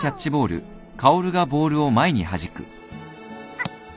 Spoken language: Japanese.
あっ。